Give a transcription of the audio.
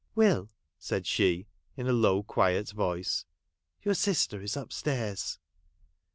' Will,' said she, in a low, quiet, voice, ' your sister is upstairs.'